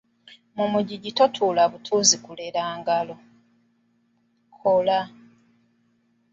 Mu mugigi totuula butuuzi kulera ngalo, kola.